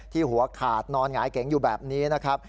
หัวขาดนอนหงายเก๋งอยู่แบบนี้นะครับ